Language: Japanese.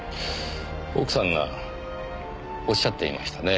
奥さんがおっしゃっていましたねえ。